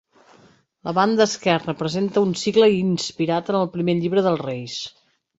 La banda esquerra presenta un cicle inspirat en el primer llibre dels Reis.